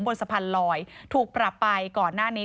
บนสะพานลอยถูกปรับไปก่อนหน้านี้